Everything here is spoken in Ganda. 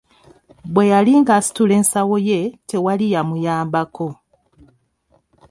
Bwe yali ng'asitula ensawo ye tewali yamuyambako.